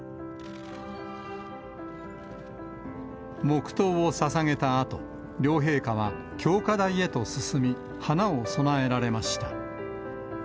黙とうをささげたあと、両陛下は、供花台へと進み、花を供えられました。